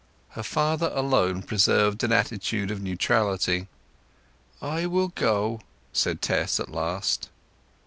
Her father alone preserved an attitude of neutrality. "I will go," said Tess at last.